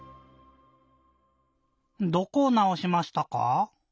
どこをなおしましたか？